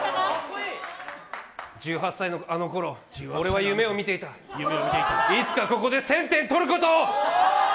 １８歳のあのころ、俺は夢をみていたいつかここで１０００点取ることを！